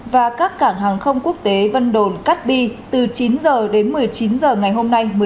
và các cảng hàng không quốc tế vân đồn cắt bi từ chín h đến một mươi chín h